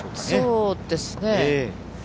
そうですね。